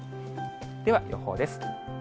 では予報です。